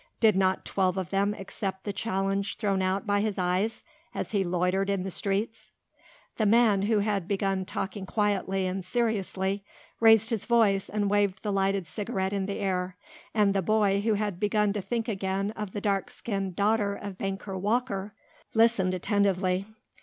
Did not twelve of them accept the challenge thrown out by his eyes as he loitered in the streets?" The man, who had begun talking quietly and seriously, raised his voice and waved the lighted cigarette in the air and the boy who had begun to think again of the dark skinned daughter of banker Walker listened attentively.